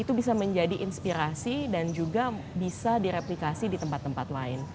itu bisa menjadi inspirasi dan juga bisa direplikasi di tempat tempat lain